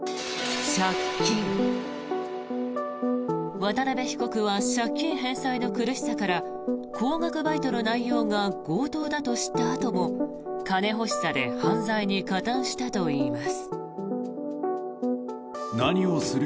渡邉被告は借金返済の苦しさから高額バイトの内容が強盗だと知ったあとも金欲しさで犯罪に加担したといいます。